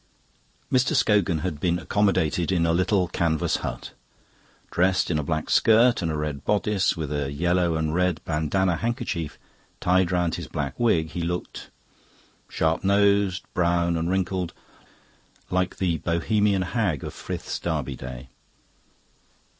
Mr. Scogan had been accommodated in a little canvas hut. Dressed in a black skirt and a red bodice, with a yellow and red bandana handkerchief tied round his black wig, he looked sharp nosed, brown, and wrinkled like the Bohemian Hag of Frith's Derby Day.